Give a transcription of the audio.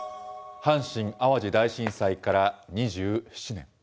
阪神・淡路大震災から２７年。